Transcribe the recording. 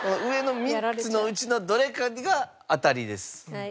上の３つのうちのどれかが当たりです。